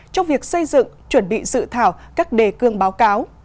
trong việc xây dựng chuẩn bị dự thảo các đề cương báo cáo